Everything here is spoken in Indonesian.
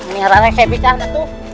ini haranya yang saya bicara natu